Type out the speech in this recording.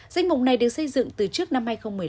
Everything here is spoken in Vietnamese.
danh mục này được xây dựng từ trước năm hai nghìn một mươi năm